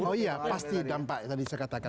oh iya pasti dampak tadi saya katakan